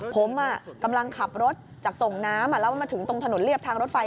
ผมกำลังขับรถจากส่งน้ำแล้วมาถึงตรงถนนเรียบทางรถไฟ